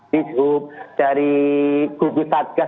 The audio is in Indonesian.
dizhub dari kugus satgas